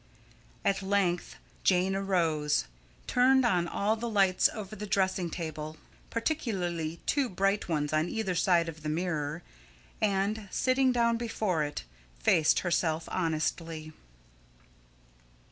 At length Jane arose, turned on all the lights over the dressing table, particularly two bright ones on either side of the mirror, and, sitting down before it, faced herself honestly.